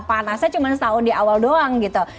panasnya cuma setahun di awal saja